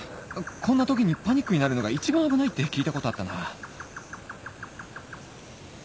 こんなときにパニックになるのが一番危ないって聞いたことあったな